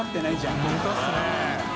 本当ですね。